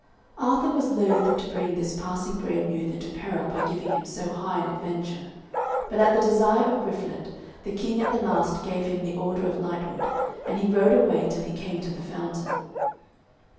Arthur was loath to bring this passing brave youth into peril by giving him so high an adventure; but at the desire of Griflet the King at the last gave him the order of knighthood, and he rode away till he came to the fountain.